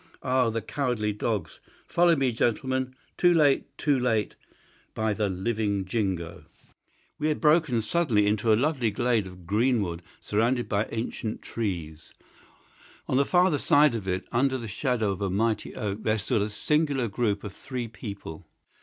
"Ah, the cowardly dogs! Follow me, gentlemen! Too late! too late! by the living Jingo!" We had broken suddenly into a lovely glade of greensward surrounded by ancient trees. On the farther side of it, under the shadow of a mighty oak, there stood a singular group of three people.